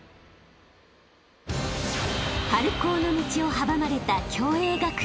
［春高の道を阻まれた共栄学園］